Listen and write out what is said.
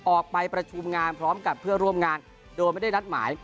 ออกไปประชุมงานพร้อมกับเพื่อนร่วมงานโดยไม่ได้นัดหมาย